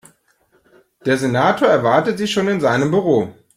Der Senator erwartet Sie schon in seinem Büro.